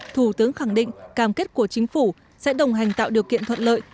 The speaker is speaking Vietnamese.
thủ tướng khẳng định cam kết của chính phủ sẽ đồng hành tạo điều kiện thuận lợi